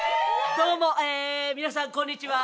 どうも皆さん、こんにちは。